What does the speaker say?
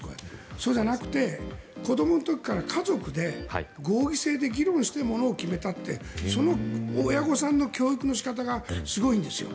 そうじゃなくて、子どもの時から家族で合議制で議論して、ものを決めたってその親御さんの教育の仕方がすごいんですよ。